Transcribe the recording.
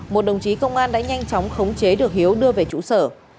một đồng chí công an đã nhanh chóng khống chế được hiếu đưa về trụ sở